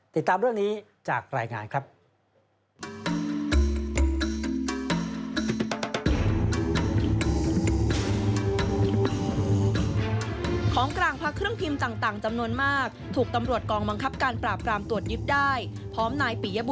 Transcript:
ติดตามเรื่องนี้จากรายงานครับ